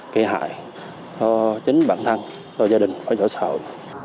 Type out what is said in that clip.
gây hại cho chính bản thân cho gia đình và cho xã hội